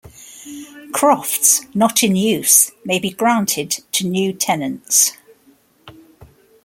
Crofts not in use may be granted to new tenants.